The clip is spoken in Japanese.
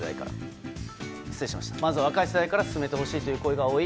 まず若い世代から進めてほしいという声が多い